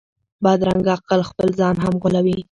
بدرنګه عقل خپل ځان هم غولوي